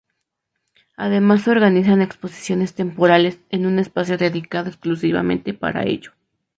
Además se organizan exposiciones temporales en un espacio dedicado exclusivamente para ello.